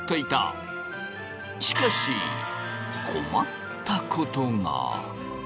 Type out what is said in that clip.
しかし困ったことが。